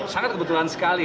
sangat kebetulan sekali